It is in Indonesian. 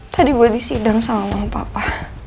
tadi gue disidang sama mama papa